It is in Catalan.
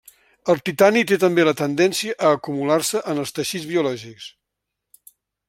El titani té també la tendència a acumular-se en els teixits biològics.